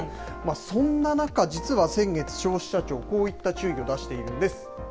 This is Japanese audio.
そんな中、実は先月、消費者庁こういった注意を出しているんです。